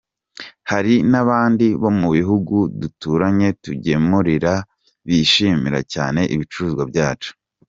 Hari n’abandi bo mu bihugu duturanye tugemurira, bishimira cyane ibicuruzwa byacu.